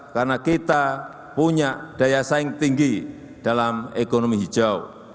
karena kita punya daya saing tinggi dalam ekonomi hijau